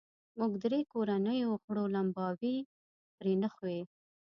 موږ درې کورنیو غړو لمباوې پرې نښوې.